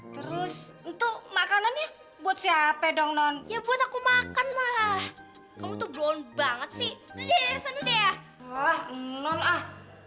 terus untuk makanan ya buat siapa dong non ya buat aku makan mah kamu tuh brown banget sih